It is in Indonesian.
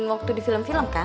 waktu di film film kan